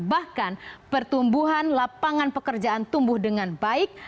bahkan pertumbuhan lapangan pekerjaan tumbuh dengan baik